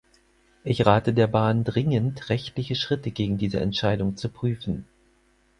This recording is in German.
Ich rate der Bahn dringend, rechtliche Schritte gegen diese Entscheidung zu prüfen.